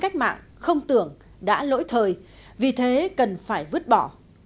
cách mạng không tưởng đã lỗi thời vì thế cần phải vứt bỏ